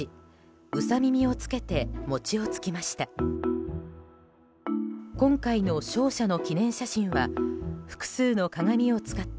うさ耳を着けて餅をつきました。